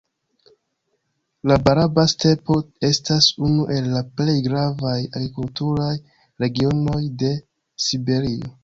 La Baraba-stepo estas unu el la plej gravaj agrikulturaj regionoj de Siberio.